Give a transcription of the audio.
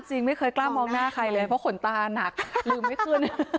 จริงไม่เคยกล้ามองหน้าใครเลยเพราะขนตาหนักลืมไม่ขึ้น